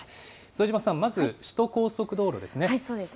副島さん、まず首都高速道路です